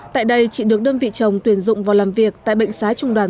tại đây chị được đơn vị chồng tuyển dụng vào làm việc tại bệnh sái trung đoàn một trăm năm mươi hai